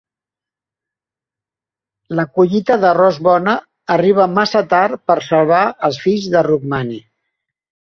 La collita d'arròs bona arriba massa tard per salvar els fills de Rukmani.